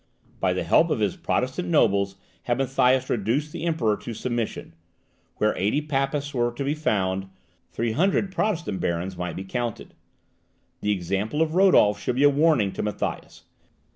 By the help of his Protestant nobles had Matthias reduced the Emperor to submission; where 80 Papists were to be found, 300 Protestant barons might be counted. The example of Rodolph should be a warning to Matthias.